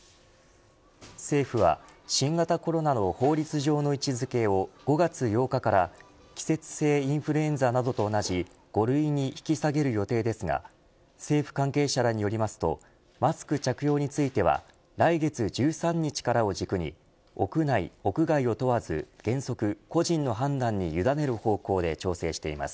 政府は新型コロナの法律上の位置付けを５月８日から季節性インフルエンザなどと同じ５類に引き下げる予定ですが政府関係者らによりますとマスク着用については来月１３日からを軸に屋内、屋外を問わず原則個人の判断に委ねる方向で調整しています。